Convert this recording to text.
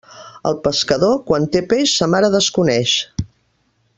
El pescador, quan té peix, sa mare desconeix.